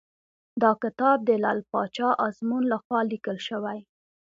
دا کتاب د لعل پاچا ازمون لخوا لیکل شوی .